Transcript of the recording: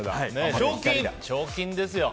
賞金ですよ。